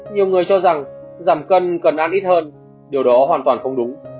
nhiều người cho rằng giảm cân cần ăn ít hơn điều đó hoàn toàn không đúng